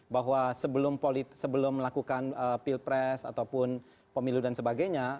bahwa sebelum melakukan pilpres ataupun pemilu dan sebagainya